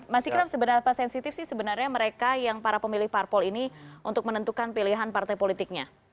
mas ikram sebenarnya apa sensitif sih sebenarnya mereka yang para pemilih parpol ini untuk menentukan pilihan partai politiknya